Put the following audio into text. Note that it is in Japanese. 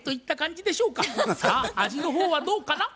さあ味の方はどうかな？